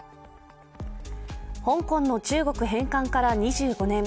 香港の中国返還から２５年。